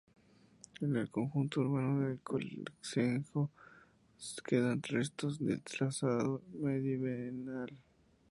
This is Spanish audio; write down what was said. En el conjunto urbano del concejo quedan restos del trazado medieval.